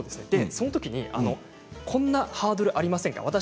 そのときにこんなハードルありませんか。